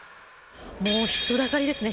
もう人だかりですね。